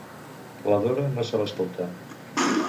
La Dora no se l'escolta.